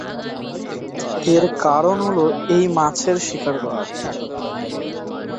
এর কারণ হল এই মাছের শিকার করা।